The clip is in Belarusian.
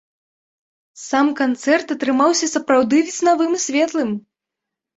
Сам канцэрт атрымаўся сапраўды веснавым і светлым.